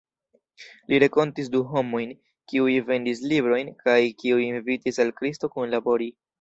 Li renkontis du homojn, kiuj vendis librojn, kaj kiuj invitis al Kristo kunlabori.